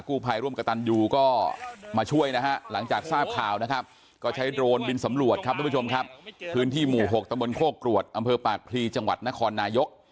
คุณผู้ชมครับพื้นที่หมู่๖ตะบนโค้กกรวดอำเภอปากพลีจังหวัดนครนายก